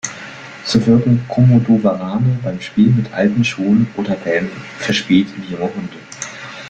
So wirken Komodowarane beim Spiel mit alten Schuhen oder Bällen verspielt wie junge Hunde.